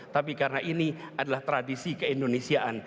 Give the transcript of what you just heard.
tapi karena ini adalah tradisi keindonesiaan